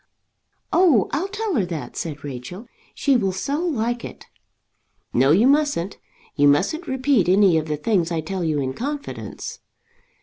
"Oh! I'll tell her that," said Rachel. "She will so like it." "No, you mustn't. You mustn't repeat any of the things I tell you in confidence."